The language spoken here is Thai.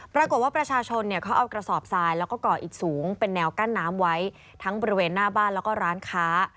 ปรากฏว่าประชาชนเอากระสอบสายและก่ออิดสูงเป็นแนวกั้นน้ำไว้ทั้งบริเวณหน้าบ้านและร้านค้า